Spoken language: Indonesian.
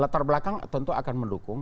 latar belakang tentu akan mendukung